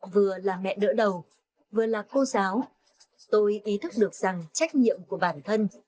vừa là mẹ đỡ đầu vừa là cô giáo tôi ý thức được rằng trách nhiệm của bản thân